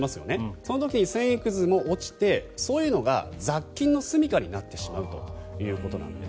その時に繊維くずも落ちてそういうのが雑菌のすみかになってしまうということです。